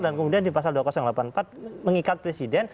dan kemudian di pasal dua ribu delapan puluh empat mengikat presiden